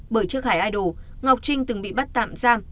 bởi trước hải idol ngọc trinh từng bị bắt tạm giam